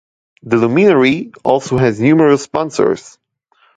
The luminarie also has numerous sponsors.